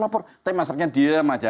tapi masyarakatnya diam saja